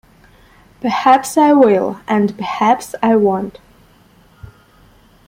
Perhaps I will, and perhaps I won't.